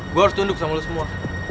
gua harus tunduk sama lu semua